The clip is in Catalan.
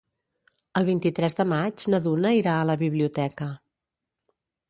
El vint-i-tres de maig na Duna irà a la biblioteca.